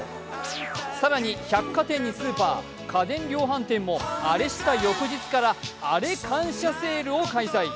更に、百貨店にスーパー家電量販店もアレした翌日から、アレ感謝セールを開催。